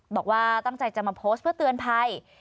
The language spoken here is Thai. บอกว่าตั้งใจจะมาโพสต์เพื่อเตือนภัย